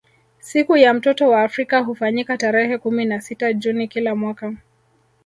Siku ya mtoto wa Afrika hufanyika tarehe kumi na sita juni kila mwaka